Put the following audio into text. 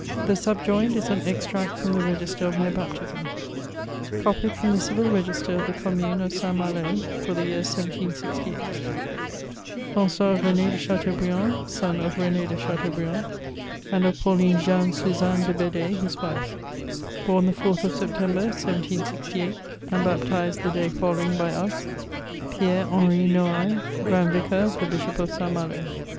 The subjoined is an extract from the register of my bap tism :—" Copied from the civil register of the Commune of St. Malo, for the year 1768. "rran9ois Ren^ de Chateaubriand, son of Ben^ de Chateau briand and of Pauline Jeanne Suzanne de Bed6e, his wife ; bom the 4th of September, 1768, and baptized the day follow ing by us, Pierre Henry Nouail, Grand Vicar of the Bishop of St. Malo.